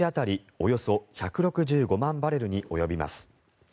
およそ１６５万バレルに及びます。